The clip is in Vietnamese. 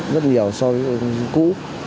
rất nhiều so với cũ